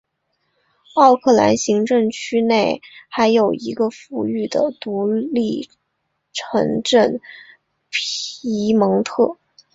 奥克兰行政区内还有一个富裕的独立城镇皮蒙特。